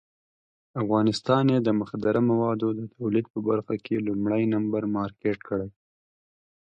افغانستان یې د مخدره موادو د تولید په برخه کې لومړی نمبر مارکېټ کړی.